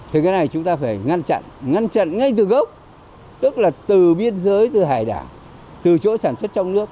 thì cái này chúng ta phải ngăn chặn ngăn chặn ngay từ gốc tức là từ biên giới từ hải đảo từ chỗ sản xuất trong nước